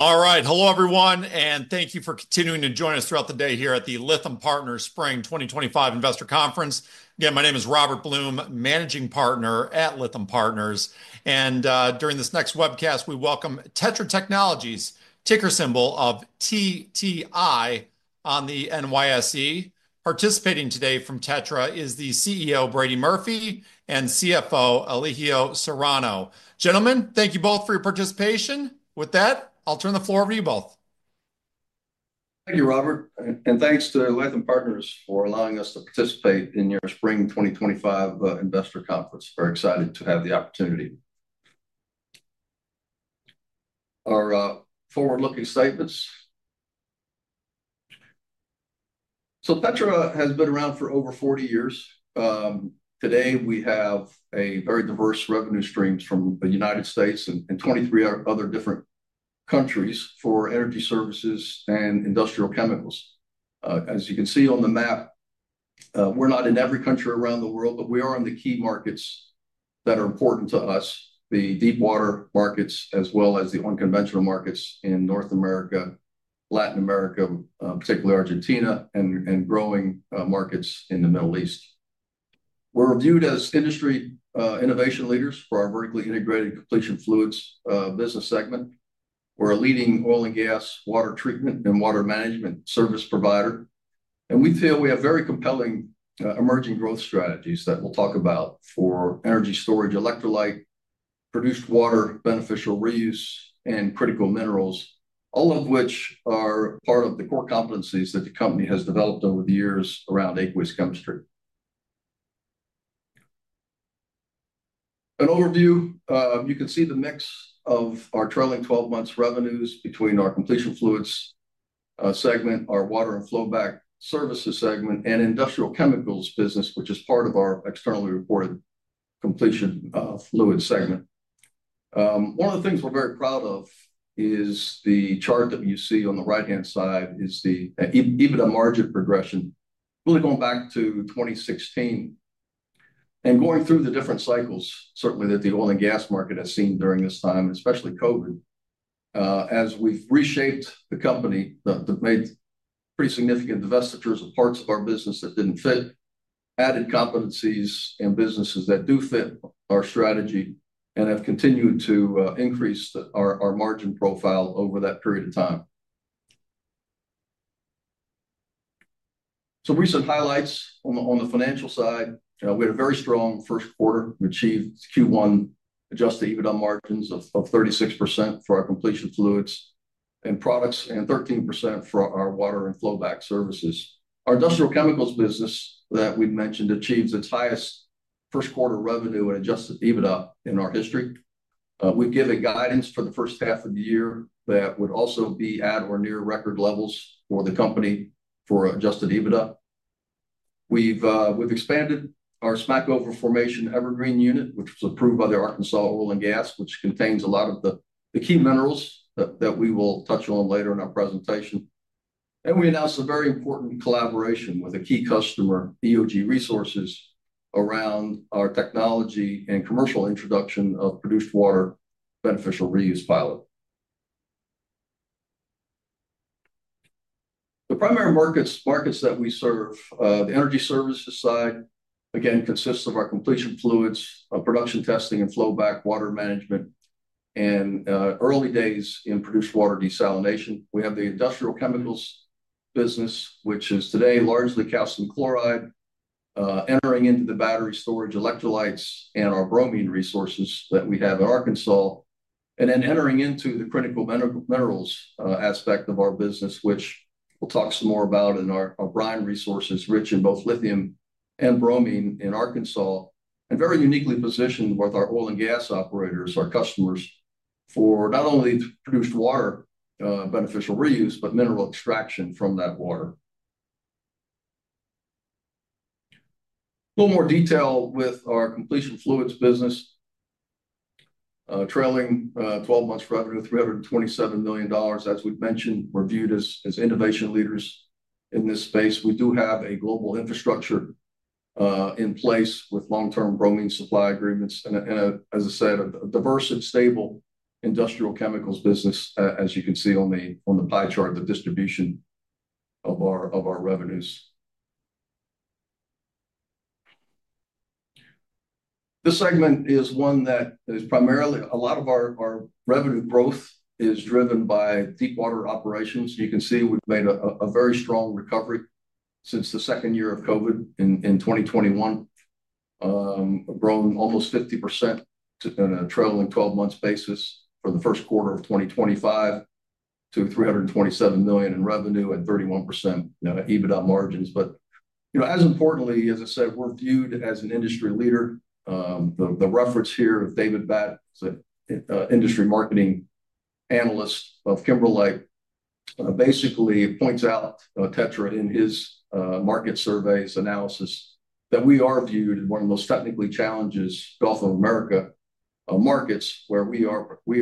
All right. Hello, everyone, and thank you for continuing to join us throughout the day here at the Lytham Partners Spring 2025 Investor Conference. Again, my name is Robert Blum, Managing Partner at Lytham Partners. And during this next webcast, we welcome TETRA Technologies, ticker symbol of TTI on the NYSE. Participating today from TETRA is the CEO, Brady Murphy, and CFO, Elijio Serrano. Gentlemen, thank you both for your participation. With that, I'll turn the floor over to you both. Thank you, Robert. Thanks to Lytham Partners for allowing us to participate in your Spring 2025 Investor Conference. Very excited to have the opportunity. Our forward-looking statements. TETRA has been around for over 40 years. Today, we have very diverse revenue streams from the United States and 23 other different countries for Energy Services and Industrial Chemicals. As you can see on the map, we're not in every country around the world, but we are in the key markets that are important to us: the deepwater markets, as well as the unconventional markets in North America, Latin America, particularly Argentina, and growing markets in the Middle East. We're viewed as industry innovation leaders for our vertically integrated completion fluids business segment. We're a leading oil and gas, water treatment, and water management service provider. We feel we have very compelling emerging growth strategies that we'll talk about for energy storage, electrolyte, produced water, beneficial reuse, and critical minerals, all of which are part of the core competencies that the company has developed over the years around aqueous chemistry. An overview: you can see the mix of our trailing 12 months revenues between our completion fluids segment, our water and flowback services segment, and Industrial Chemicals business, which is part of our externally reported completion fluids segment. One of the things we're very proud of is the chart that you see on the right-hand side is the EBITDA margin progression, really going back to 2016 and going through the different cycles, certainly that the oil and gas market has seen during this time, especially COVID. As we've reshaped the company, made pretty significant divestitures of parts of our business that didn't fit, added competencies and businesses that do fit our strategy, and have continued to increase our margin profile over that period of time. Some recent highlights on the financial side: we had a very strong first quarter. We achieved Q1 adjusted EBITDA margins of 36% for our completion fluids and products and 13% for our water and flowback services. Our Industrial Chemicals business that we mentioned achieved its highest first quarter revenue and adjusted EBITDA in our history. We've given guidance for the first half of the year that would also be at or near record levels for the company for adjusted EBITDA. We've expanded our Smackover Formation Evergreen Unit, which was approved by the Arkansas Oil and Gas, which contains a lot of the key minerals that we will touch on later in our presentation. We announced a very important collaboration with a key customer, EOG Resources, around our technology and commercial introduction of produced water beneficial reuse pilot. The primary markets that we serve, the Energy Services side, again, consists of our completion fluids, production testing, and flowback water management, and early days in produced water desalination. We have the Industrial Chemicals business, which is today largely calcium chloride, entering into the battery storage electrolytes and our bromine resources that we have in Arkansas, and then entering into the critical minerals aspect of our business, which we'll talk some more about in our brine resources, rich in both lithium and bromine in Arkansas, and very uniquely positioned with our oil and gas operators, our customers, for not only produced water beneficial reuse, but mineral extraction from that water. A little more detail with our completion fluids business: trailing 12 months revenue, $327 million, as we've mentioned, reviewed as innovation leaders in this space. We do have a global infrastructure in place with long-term bromine supply agreements, and, as I said, a diverse and stable Industrial Chemicals business, as you can see on the pie chart, the distribution of our revenues. This segment is one that is primarily a lot of our revenue growth is driven by deepwater operations. You can see we've made a very strong recovery since the second year of COVID in 2021, grown almost 50% in a trailing 12-month basis for the first quarter of 2025 to $327 million in revenue and 31% EBITDA margins. You know, as importantly, as I said, we're viewed as an industry leader. The reference here of David Bat, industry marketing analyst of Kimberlite, basically points out TETRA in his market surveys analysis that we are viewed as one of the most technically challenged Gulf of Mexico markets, where we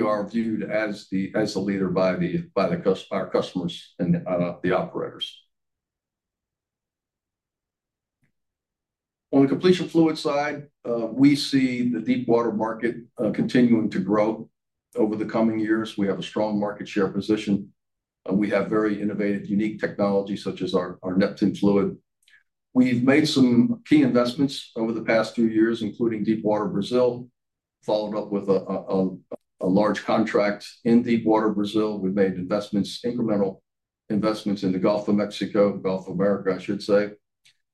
are viewed as the leader by our customers and the operators. On the completion fluids side, we see the deepwater market continuing to grow over the coming years. We have a strong market share position. We have very innovative, unique technology, such as our Neptune Fluid. We've made some key investments over the past few years, including deepwater Brazil, followed up with a large contract in deepwater Brazil. We've made incremental investments in the Gulf of Mexico, Gulf of America, I should say,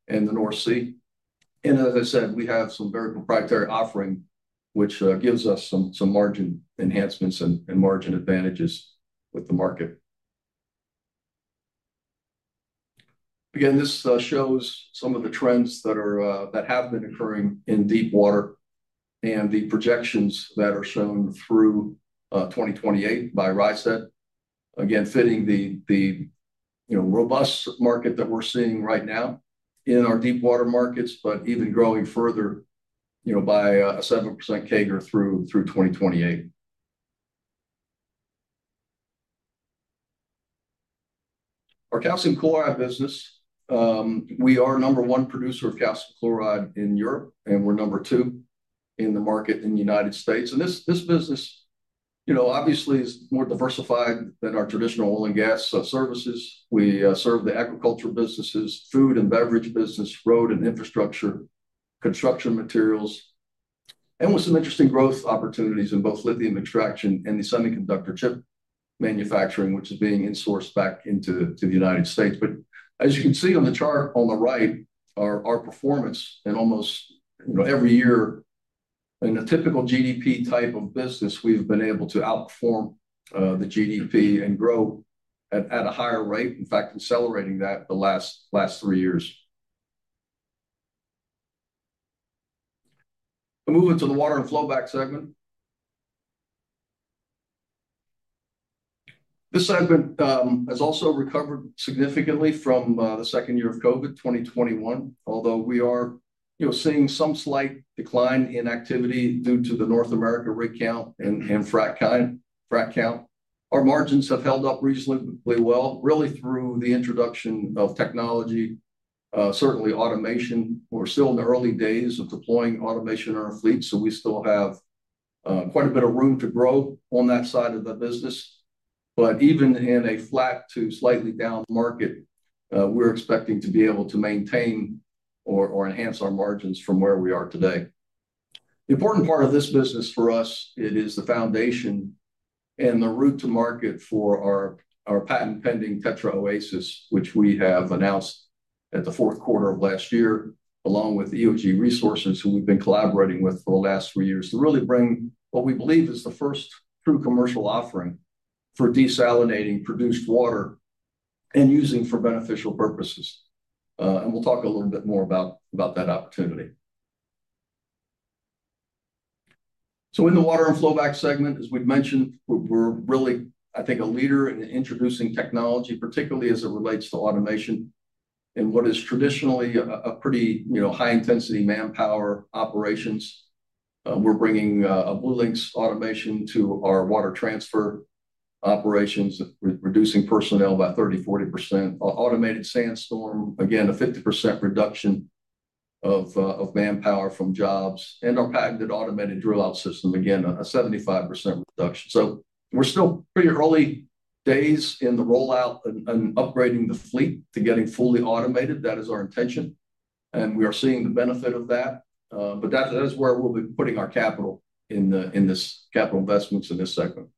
and the North Sea. As I said, we have some very proprietary offering, which gives us some margin enhancements and margin advantages with the market. Again, this shows some of the trends that have been occurring in deepwater and the projections that are shown through 2028 by Rystad, again, fitting the robust market that we're seeing right now in our deepwater markets, but even growing further by a 7% CAGR through 2028. Our calcium chloride business: we are number one producer of calcium chloride in Europe, and we're number two in the market in the United States. This business, you know, obviously is more diversified than our traditional oil and gas services. We serve the agriculture businesses, food and beverage business, road and infrastructure, construction materials, and with some interesting growth opportunities in both lithium extraction and the semiconductor chip manufacturing, which is being insourced back into the United States. As you can see on the chart on the right, our performance in almost every year in a typical GDP type of business, we've been able to outperform the GDP and grow at a higher rate, in fact, accelerating that the last three years. Moving to the water and flowback segment, this segment has also recovered significantly from the second year of COVID, 2021. Although we are seeing some slight decline in activity due to the North America rig count and frac count, our margins have held up reasonably well, really through the introduction of technology, certainly automation. We're still in the early days of deploying automation in our fleet, so we still have quite a bit of room to grow on that side of the business. Even in a flat to slightly down market, we're expecting to be able to maintain or enhance our margins from where we are today. The important part of this business for us is the foundation and the route to market for our patent-pending TETRA Oasis, which we have announced at the fourth quarter of last year, along with EOG Resources, who we've been collaborating with for the last three years to really bring what we believe is the first true commercial offering for desalinating produced water and using for beneficial purposes. We'll talk a little bit more about that opportunity. In the water and flowback segment, as we've mentioned, we're really, I think, a leader in introducing technology, particularly as it relates to automation in what is traditionally a pretty high-intensity manpower operations. We're bringing BlueLinx automation to our water transfer operations, reducing personnel by 30%-40%. Automated Sandstorm, again, a 50% reduction of manpower from jobs. Our patented Automated Drill-Out System, again, a 75% reduction. We're still pretty early days in the rollout and upgrading the fleet to getting fully automated. That is our intention, and we are seeing the benefit of that. That is where we'll be putting our capital, in these capital investments in this segment.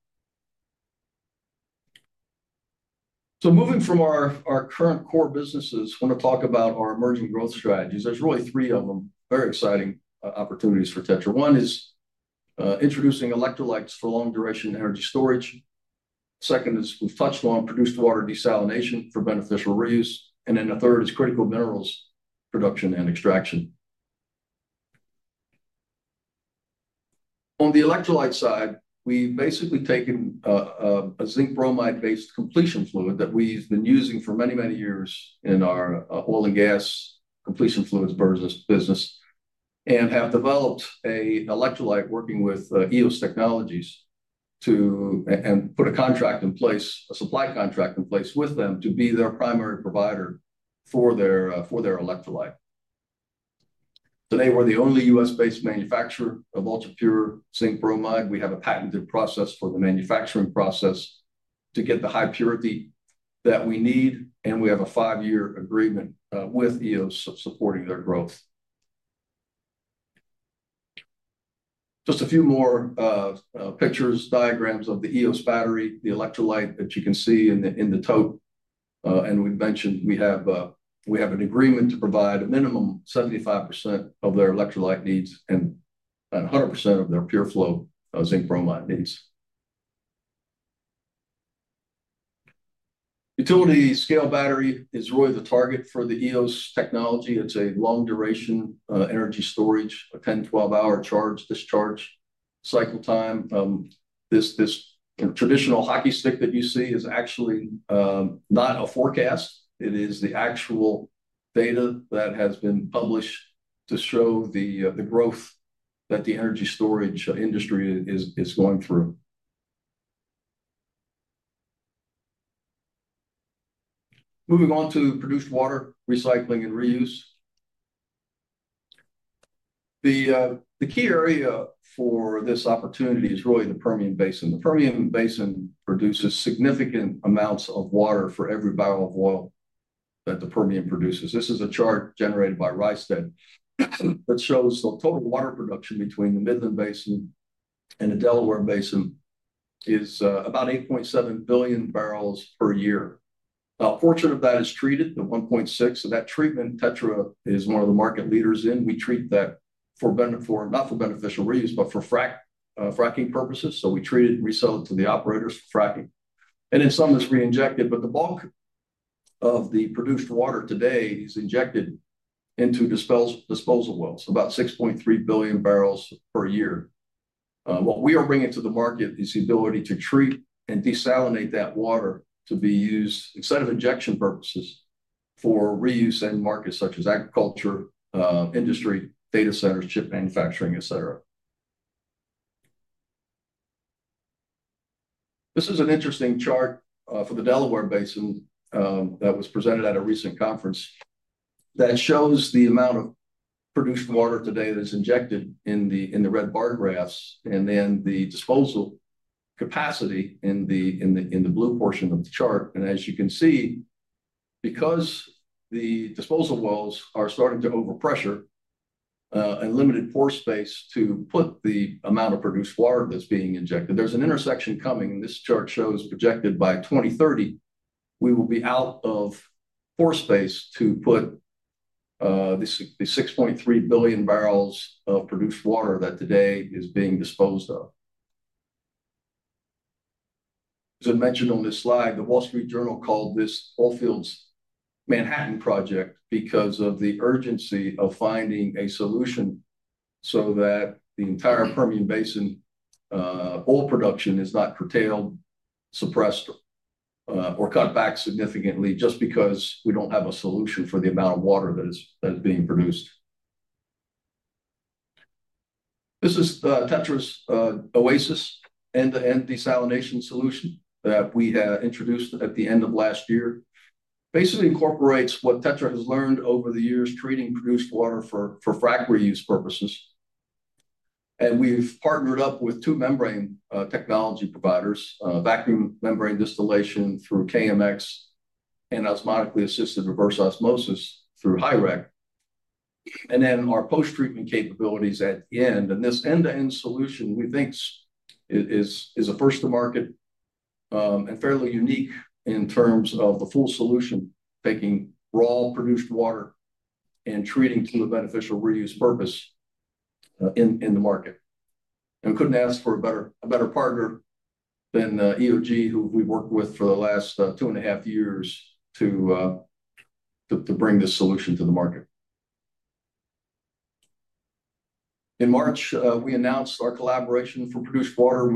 Moving from our current core businesses, I want to talk about our emerging growth strategies. There's really three of them, very exciting opportunities for TETRA. One is introducing electrolytes for long-duration energy storage. Second is we've touched on produced water desalination for beneficial reuse. Then the third is critical minerals production and extraction. On the electrolyte side, we've basically taken a zinc bromide-based completion fluid that we've been using for many, many years in our oil and gas completion fluids business and have developed an electrolyte working with Eos Technologies to put a contract in place, a supply contract in place with them to be their primary provider for their electrolyte. Today, we're the only U.S.-based manufacturer of ultra-pure zinc bromide. We have a patented process for the manufacturing process to get the high purity that we need, and we have a five-year agreement with Eos supporting their growth. Just a few more pictures, diagrams of the Eos battery, the electrolyte that you can see in the tote. And we've mentioned we have an agreement to provide a minimum 75% of their electrolyte needs and 100% of their pure flow zinc bromide needs. Utility scale battery is really the target for the Eos Technology. It's a long-duration energy storage, a 10-hour to 12-hour charge/discharge cycle time. This traditional hockey stick that you see is actually not a forecast. It is the actual data that has been published to show the growth that the energy storage industry is going through. Moving on to produced water recycling and reuse. The key area for this opportunity is really the Permian Basin. The Permian Basin produces significant amounts of water for every barrel of oil that the Permian produces. This is a chart generated by Rystad that shows the total water production between the Midland Basin and the Delaware Basin is about 8.7 billion barrels per year. A portion of that is treated, the 1.6. So that treatment TETRA is one of the market leaders in. We treat that for not for beneficial reuse, but for fracking purposes. We treat it and resell it to the operators for fracking. In some, it is reinjected. The bulk of the produced water today is injected into disposal wells, about 6.3 billion bbl per year. What we are bringing to the market is the ability to treat and desalinate that water to be used instead of injection purposes for reuse in markets such as agriculture, industry, data centers, chip manufacturing, etc. This is an interesting chart for the Delaware Basin that was presented at a recent conference that shows the amount of produced water today that is injected in the red bar graphs and then the disposal capacity in the blue portion of the chart. As you can see, because the disposal wells are starting to overpressure and there is limited pore space to put the amount of produced water that is being injected, there is an intersection coming. This chart shows projected by 2030, we will be out of pore space to put the 6.3 billion bbl of produced water that today is being disposed of. As I mentioned on this slide, the Wall Street Journal called this Oil Patch Manhattan Project because of the urgency of finding a solution so that the entire Permian Basin oil production is not curtailed, suppressed, or cut back significantly just because we do not have a solution for the amount of water that is being produced. This is TETRA's Oasis end-to-end desalination solution that we introduced at the end of last year. Basically incorporates what TETRA has learned over the years treating produced water for frac reuse purposes. We have partnered up with two membrane technology providers, vacuum membrane distillation through KMX and osmotically assisted reverse osmosis through Hyrec. Our post-treatment capabilities are at the end. This end-to-end solution, we think, is a first to market and fairly unique in terms of the full solution, taking raw produced water and treating to a beneficial reuse purpose in the market. We could not ask for a better partner than EOG, who we have worked with for the last two and a half years to bring this solution to the market. In March, we announced our collaboration for produced water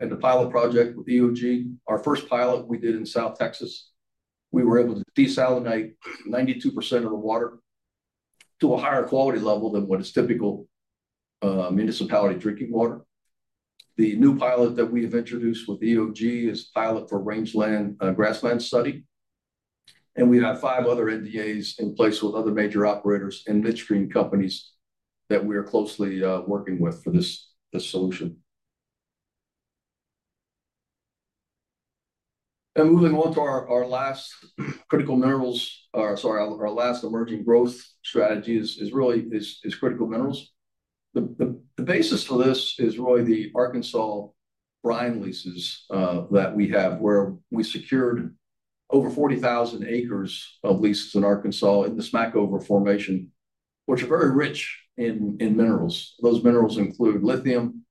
and a pilot project with EOG. Our first pilot was in South Texas. We were able to desalinate 92% of the water to a higher quality level than what is typical municipality drinking water. The new pilot that we have introduced with EOG is a pilot for rangeland grassland study. We have five other NDAs in place with other major operators and midstream companies that we are closely working with for this solution. Moving on to our last critical minerals, or sorry, our last emerging growth strategy is really critical minerals. The basis for this is really the Arkansas brine leases that we have, where we secured over 40,000 acres of leases in Arkansas in the Smackover Formation, which are very rich in minerals. Those minerals include lithium.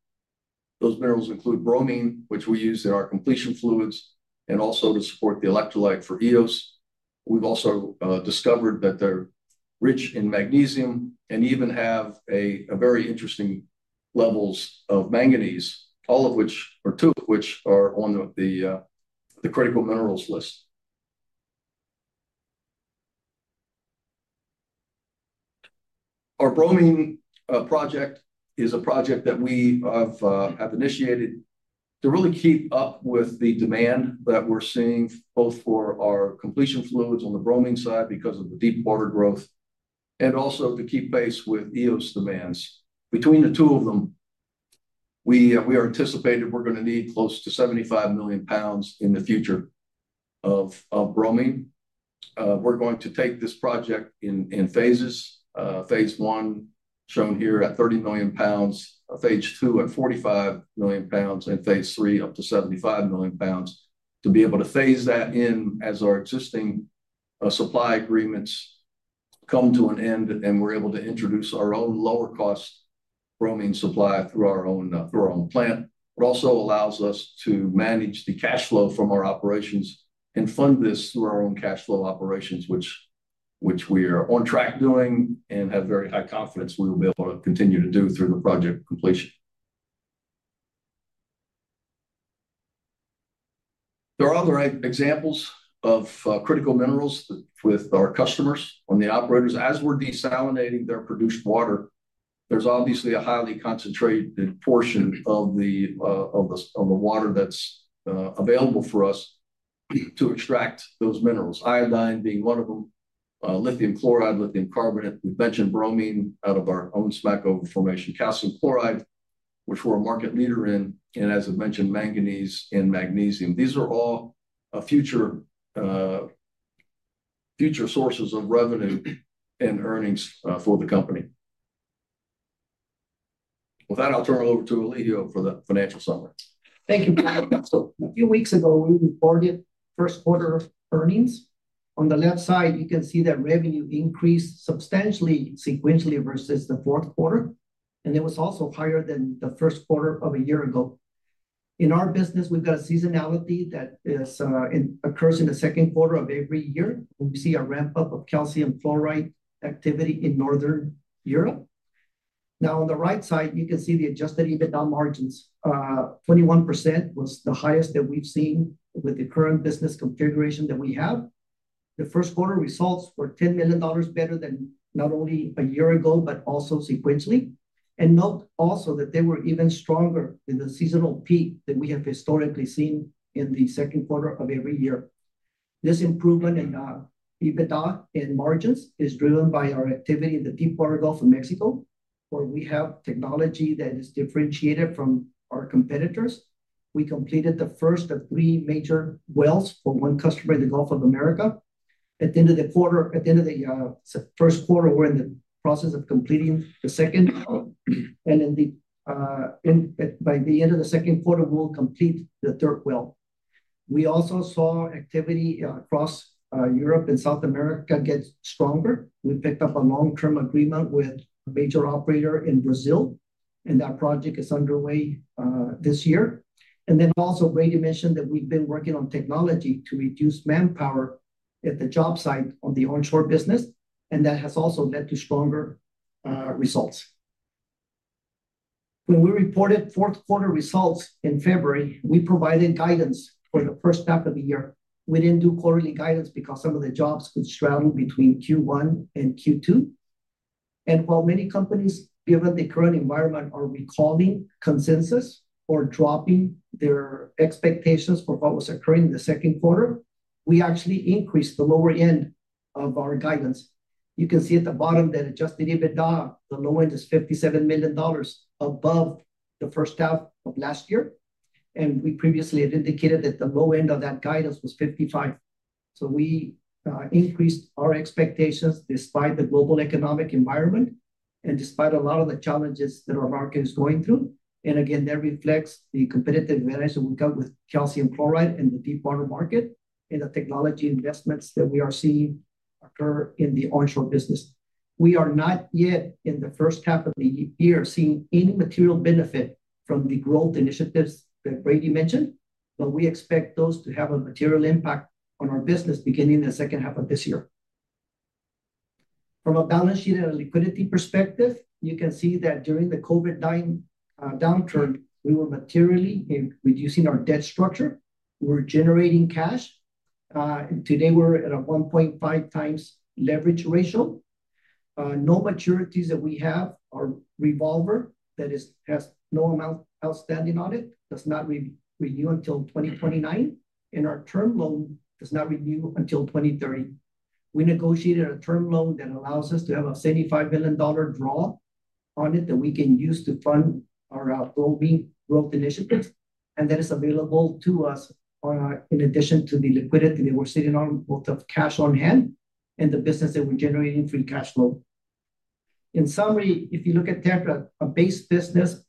Those minerals include bromine, which we use in our completion fluids and also to support the electrolyte for Eos. We have also discovered that they are rich in magnesium and even have very interesting levels of manganese, all of which, or two of which, are on the critical minerals list. Our bromine project is a project that we have initiated to really keep up with the demand that we're seeing both for our completion fluids on the bromine side because of the deepwater growth and also to keep pace with Eos demands. Between the two of them, we anticipated we're going to need close to $75 million lbs in the future of bromine. We're going to take this project in phases. Phase one shown here at $30 million lbs, phase two at $45 million lbs, and phase three up to $75 million bls to be able to phase that in as our existing supply agreements come to an end and we're able to introduce our own lower-cost bromine supply through our own plant. It also allows us to manage the cash flow from our operations and fund this through our own cash flow operations, which we are on track doing and have very high confidence we will be able to continue to do through the project completion. There are other examples of critical minerals with our customers on the operators. As we're desalinating their produced water, there's obviously a highly concentrated portion of the water that's available for us to extract those minerals, iodine being one of them, lithium chloride, lithium carbonate. We've mentioned bromine out of our own Smackover Formation, calcium chloride, which we're a market leader in, and, as I mentioned, manganese and magnesium. These are all future sources of revenue and earnings for the company. With that, I'll turn it over to Elijio for the financial summary. Thank you. A few weeks ago, we reported first quarter earnings. On the left side, you can see that revenue increased substantially sequentially versus the fourth quarter, and it was also higher than the first quarter of a year ago. In our business, we've got a seasonality that occurs in the second quarter of every year. We see a ramp-up of calcium chloride activity in Northern Europe. Now, on the right side, you can see the adjusted EBITDA margins. 21% was the highest that we've seen with the current business configuration that we have. The first quarter results were $10 million better than not only a year ago, but also sequentially. Note also that they were even stronger in the seasonal peak that we have historically seen in the second quarter of every year. This improvement in EBITDA and margins is driven by our activity in the deepwater Gulf of Mexico, where we have technology that is differentiated from our competitors. We completed the first of three major wells for one customer in the Gulf of Mexico. At the end of the quarter, at the end of the first quarter, we're in the process of completing the second. By the end of the second quarter, we'll complete the third well. We also saw activity across Europe and South America get stronger. We picked up a long-term agreement with a major operator in Brazil, and that project is underway this year. Brady mentioned that we've been working on technology to reduce manpower at the job site on the onshore business, and that has also led to stronger results. When we reported fourth quarter results in February, we provided guidance for the first half of the year. We did not do quarterly guidance because some of the jobs could straddle between Q1 and Q2. While many companies, given the current environment, are recalling consensus or dropping their expectations for what was occurring in the second quarter, we actually increased the lower end of our guidance. You can see at the bottom that adjusted EBITDA, the low end is $57 million above the first half of last year. We previously had indicated that the low end of that guidance was $55 million. We increased our expectations despite the global economic environment and despite a lot of the challenges that our market is going through. That reflects the competitive advantage that we've got with calcium chloride in the deepwater market and the technology investments that we are seeing occur in the onshore business. We are not yet in the first half of the year seeing any material benefit from the growth initiatives that Brady mentioned, but we expect those to have a material impact on our business beginning in the second half of this year. From a balance sheet and a liquidity perspective, you can see that during the COVID-19 downturn, we were materially reducing our debt structure. We're generating cash. Today, we're at a 1.5x leverage ratio. No maturities that we have are revolver that has no amount outstanding on it, does not renew until 2029, and our term loan does not renew until 2030. We negotiated a term loan that allows us to have a $75 million draw on it that we can use to fund our growth initiatives, and that is available to us in addition to the liquidity that we're sitting on, both of cash on hand and the business that we're generating free cash flow. In summary, if you look at TETRA, a base business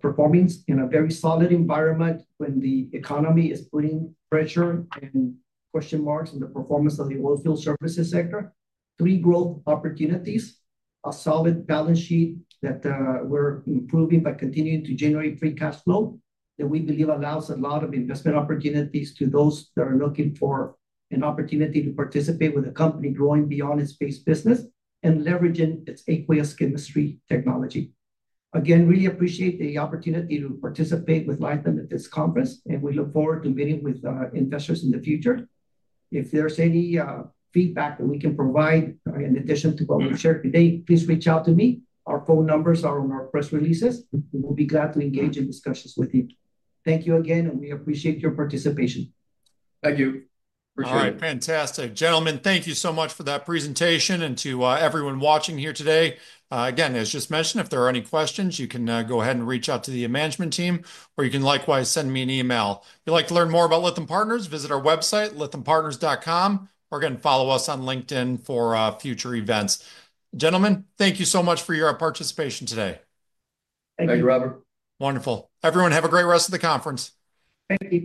performing in a very solid environment when the economy is putting pressure and question marks on the performance of the oil field services sector, three growth opportunities, a solid balance sheet that we're improving by continuing to generate free cash flow that we believe allows a lot of investment opportunities to those that are looking for an opportunity to participate with a company growing beyond its base business and leveraging its aqueous chemistry technology. Again, really appreciate the opportunity to participate with Lytham at this conference, and we look forward to meeting with investors in the future. If there is any feedback that we can provide in addition to what we have shared today, please reach out to me. Our phone numbers are on our press releases. We will be glad to engage in discussions with you. Thank you again, and we appreciate your participation. Thank you. Appreciate it. All right. Fantastic. Gentlemen, thank you so much for that presentation and to everyone watching here today. Again, as just mentioned, if there are any questions, you can go ahead and reach out to the management team, or you can likewise send me an email. If you would like to learn more about Lytham Partners, visit our website, lythampartners.com, or again, follow us on LinkedIn for future events. Gentlemen, thank you so much for your participation today. Thank you, Robert. Wonderful. Everyone, have a great rest of the conference. Thank you.